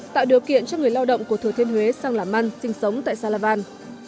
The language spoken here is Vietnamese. tạo điều kiện cho người lao động của thừa thiên huế sang làm ăn sinh sống tại salavan